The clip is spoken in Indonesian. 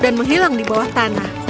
dan menghilang di bawah tanah